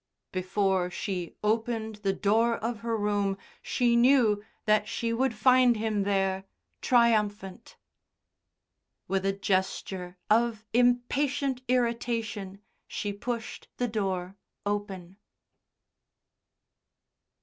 Before she opened the door of her room she knew that she would find Him there, triumphant. With a gesture of impatient irritation she pushed the door open.